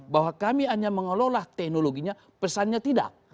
bahwa kami hanya mengelola teknologinya pesannya tidak